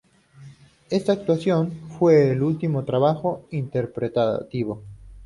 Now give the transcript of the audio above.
Esta actuación fue su último trabajo interpretativo.